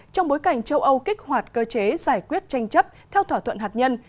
trong bối cảnh châu âu kích hoạt cơ chế giải quyết tranh chấp theo thỏa thuận hạt nhân